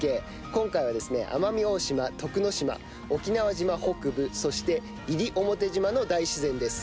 今回はですね、奄美大島、徳之島沖縄島北部そして西表島の大自然です。